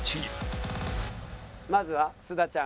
まずは須田ちゃん。